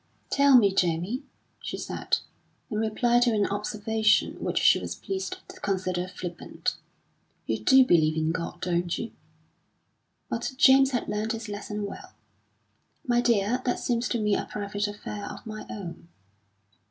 "Tell me, Jamie," she said, in reply to an observation which she was pleased to consider flippant, "you do believe in God, don't you?" But James had learnt his lesson well. "My dear, that seems to me a private affair of my own."